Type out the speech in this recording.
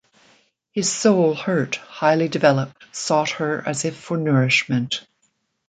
His soul, hurt, highly developed, sought her as if for nourishment.